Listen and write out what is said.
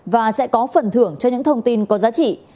và sẽ có phần thưởng cho những thông tin có giá trị